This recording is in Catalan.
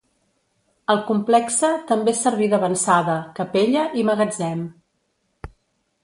El complexe també servir d'avançada, capella i magatzem.